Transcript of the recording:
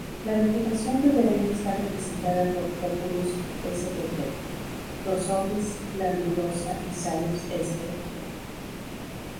La vegetación ribereña está representada por Populus spp, Prosopis glandulosa y Salix spp.